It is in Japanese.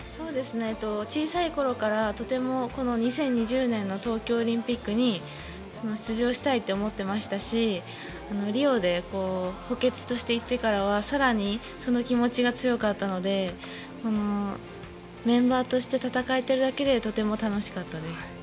小さい頃から２０２０年の東京オリンピックに出場したいと思ってましたしリオで補欠として行ってからは更にその気持ちが強かったのでメンバーとして戦えただけでとてもうれしかったです。